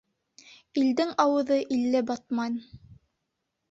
Илдең ауыҙы илле батман.